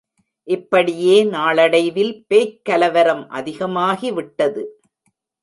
இப்படியே நாளடைவில் பேய்க் கலவரம் அதிகமாகி விட்டது.